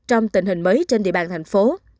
trên địa bàn thành phố